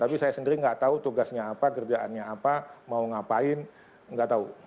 tapi saya sendiri nggak tahu tugasnya apa kerjaannya apa mau ngapain nggak tahu